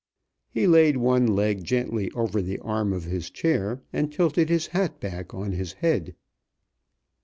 He laid one leg gently over the arm of his chair and tilted his hat back on his head.